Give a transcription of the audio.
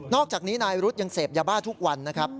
อกจากนี้นายรุษยังเสพยาบ้าทุกวันนะครับ